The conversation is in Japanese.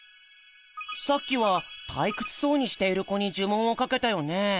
さっきは退屈そうにしている子に呪文をかけたよね？